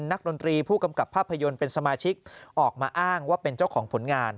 ดนตรีผู้กำกับภาพยนตร์เป็นสมาชิกออกมาอ้างว่าเป็นเจ้าของผลงาน